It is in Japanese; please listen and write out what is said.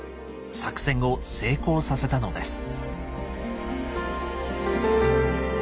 作戦を成功させたのです。